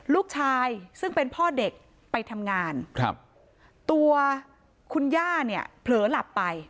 ลูกชายซึ่งเป็นพ่อเด็กไปทำงานครับตัวคุณย่าเนี่ยเผลอหลับไป